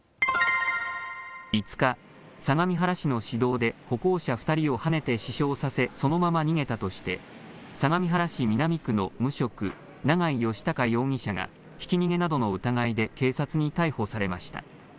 ５日、相模原市の市道で歩行者２人をはねて死傷させそのまま逃げたとして相模原市南区の無職、長井義孝容疑者がひき逃げなどの疑いで警察に逮捕されました。